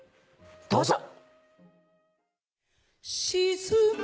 どうぞ。